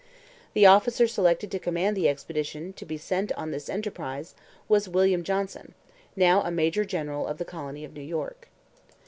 The officer selected to Command the expedition to be sent on this enterprise was William Johnson, now a major general of the colony of New York.